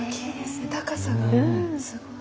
高さがすごい。